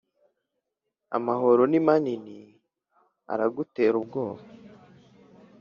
amahoro ni manini aragutera ubwoba,